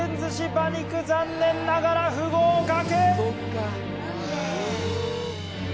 馬肉残念ながら不合格！